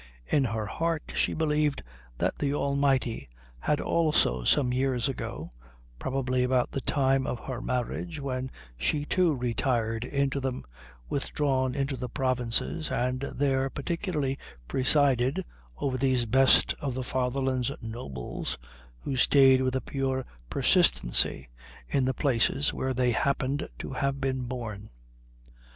In her heart she believed that the Almighty had also some years ago, probably about the time of her marriage when she, too, retired into them, withdrawn into the provinces, and there particularly presided over those best of the Fatherland's nobles who stayed with a pure persistency in the places where they happened to have been born.